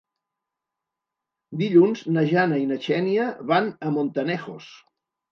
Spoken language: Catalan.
Dilluns na Jana i na Xènia van a Montanejos.